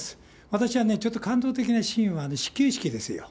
私はね、ちょっと感動的なシーンは、始球式ですよ。